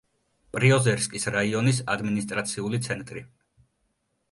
პრიოზერსკის რაიონის ადმინისტრაციული ცენტრი.